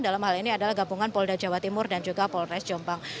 dalam hal ini adalah gabungan polda jawa timur dan juga polres jombang